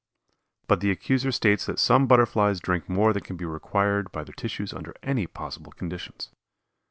But the accuser states that some Butterflies drink more than can be required by their tissues under any possible conditions.